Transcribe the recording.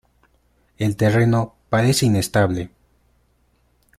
El terreno parece inestable.